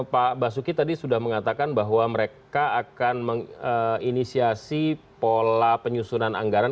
pak basuki tadi sudah mengatakan bahwa mereka akan menginisiasi pola penyusunan anggaran